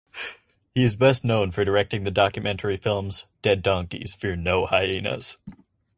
He is best known for directing the documentary films "Dead Donkeys Fear No Hyenas".